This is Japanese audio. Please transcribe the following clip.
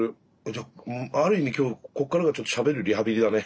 じゃあある意味きょうこっからがちょっとしゃべるリハビリだね。